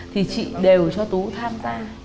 thì chị đều cho tú tham gia